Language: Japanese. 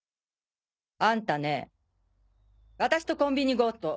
あんたね私とコンビニ強盗